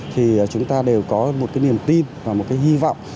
thì chúng ta đều có một niềm tin và một hy vọng